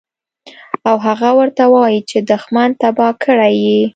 او هغه ورته وائي چې دشمن تباه کړے ئې